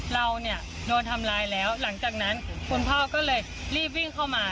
เราเนี่ยโดนทำร้ายแล้วหลังจากนั้นคุณพ่อก็เลยรีบวิ่งเข้ามา